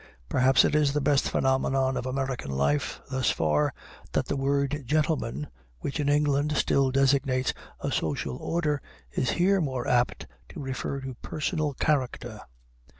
Perhaps it is the best phenomenon of American life, thus far, that the word "gentleman," which in England still designates a social order, is here more apt to refer to personal character.